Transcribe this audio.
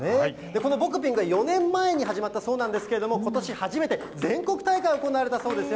このボクピングは４年前に始まったそうなんですけれども、ことし初めて、全国大会が行われたそうですよ。